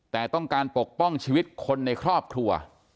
แต่ต้องการปกป้องชีวิตคนในครอบครัว